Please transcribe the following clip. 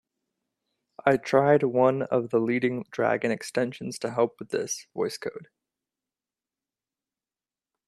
I tried one of the leading Dragon extensions to help with this, Voice Code.